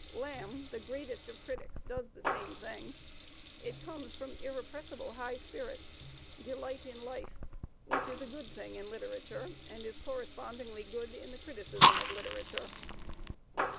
Lamb, the jgreatest of critics, does the same thing. It comes from irrepressible high spirits, delight in life, which is a good thing in Uterature, and is correspondingly good in the criticism of Uterature.